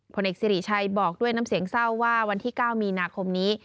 ผลเอกสิริชัยบอกด้วยน้ำเสียงเศร้าว่าวันที่๙มีนาคมนี้